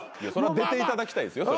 出ていただきたいですよ。